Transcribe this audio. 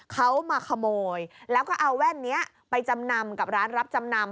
เขามาขโมยแล้วก็เอาแว่นนี้ไปจำนำกับร้านรับจำนำ